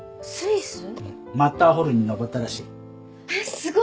すごい！